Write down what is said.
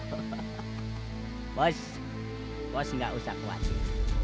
bos bos gak usah khawatir